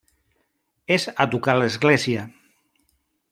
És a tocar l'església.